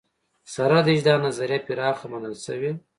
سره له دې چې دا نظریه پراخه منل شوې.